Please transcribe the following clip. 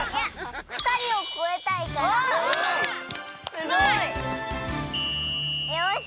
すごい！よし！